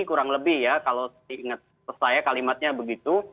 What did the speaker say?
kurang lebih ya kalau diingat saya kalimatnya begitu